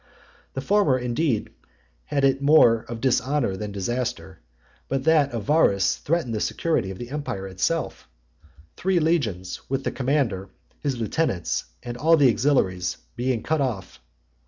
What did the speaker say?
The former indeed had in it more of dishonour than disaster; but that of Varus threatened the security of the empire itself; three legions, with the commander, his lieutenants, and all the auxiliaries, being cut off.